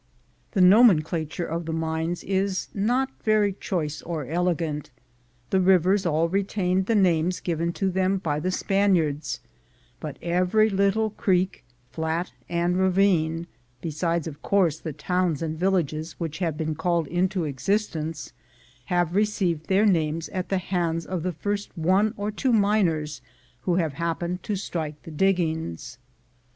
The nomenclature of the mines is not very choice or elegant. The rivers all retain the names given to them by the Spaniards, but every little creek, flat, and ravine, besides of course the towns and villages which have been called into existence, have received their names at the hands of the first one or two miners who have happened to strike the diggings.